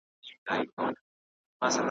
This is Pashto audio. ¬ نن به سي، سبا به سي؛ در بې کو پيدا به سي.